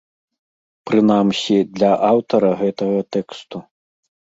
Прынамсі, для аўтара гэтага тэксту.